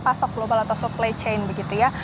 pasok global atau supply chain begitu ya